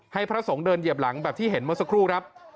พระสงฆ์เดินเหยียบหลังแบบที่เห็นเมื่อสักครู่ครับ